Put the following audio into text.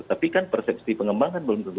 tapi kan persepsi pengembangan belum tentu